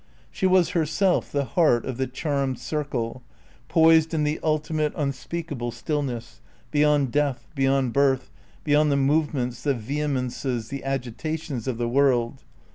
She was herself the heart of the charmed circle, poised in the ultimate unspeakable stillness, beyond death, beyond birth, beyond the movements, the vehemences, the agitations of the world.